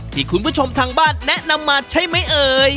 ที่คุณผู้ชมทางบ้านแนะนำมาใช่ไหมเอ่ย